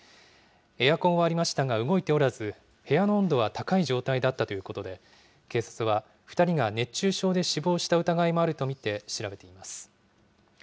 エアコンはありましたが動いておらず、部屋の温度は高い状態だったということで、警察は２人が熱中症で死亡した疑いもあるとみて、調べています。